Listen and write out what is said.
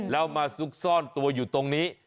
แล้วมาซุกซ่อนตัวอยู่ตรงนี้